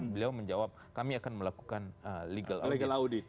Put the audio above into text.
beliau menjawab kami akan melakukan legal outdoor audit